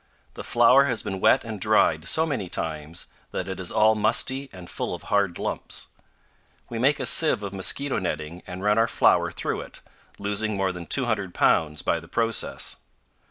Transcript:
The flour has been wet and dried so many times that it is all musty and full of hard lumps. We make a sieve of mosquito netting and run our flour through, it, losing more than 200 pounds by the process.